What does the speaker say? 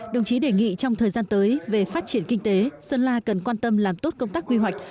đồng chí đề nghị trong thời gian tới về phát triển kinh tế sơn la cần quan tâm làm tốt công tác quy hoạch